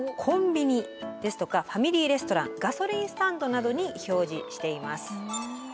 コンビニですとかファミリーレストランガソリンスタンドなどに表示しています。